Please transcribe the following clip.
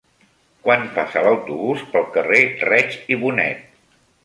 Quan passa l'autobús pel carrer Reig i Bonet?